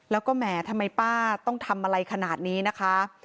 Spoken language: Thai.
แล้วก็แหมทำไมป้าต้องทำอะไรขนาดนี้นะคะ